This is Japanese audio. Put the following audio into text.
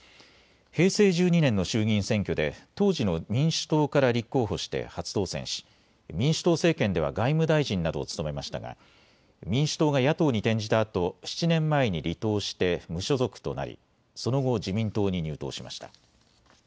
平成１２年の衆議院選挙で当時の民主党から立候補して初当選し民主党政権では外務大臣などを務めましたが民主党が野党に転じたあと７年前に離党して無所属となりその後、自民党に入党しました。